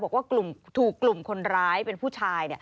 บอกว่ากลุ่มถูกกลุ่มคนร้ายเป็นผู้ชาย